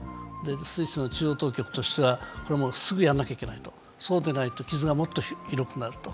スイス中央当局としてはすぐやらなきゃいけないとそうでないと傷がもっと広くなると。